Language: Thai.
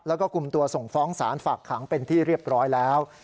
แล้วก็กลุ่มตัวส่งฟ้องสารฝากขังเป็นที่เรียบร้อยแล้ว